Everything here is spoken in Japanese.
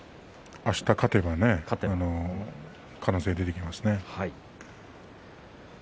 あした勝てば可能性が出てきますね。